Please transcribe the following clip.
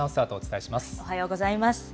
おはようございます。